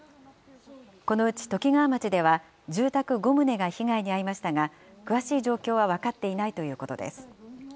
このうちときがわ町では、住宅５棟が被害に遭いましたが、詳しい状況は分かっていないということです。